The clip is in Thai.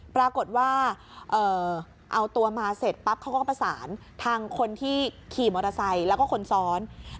ปรากฏว่าเอาตัวมาเสร็จปั๊บเขาก็ประสานทางคนที่ขี่มอเตอร์ไซค์แล้วก็คนซ้อน